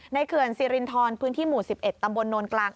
เขื่อนสิรินทรพื้นที่หมู่๑๑ตำบลโนนกลาง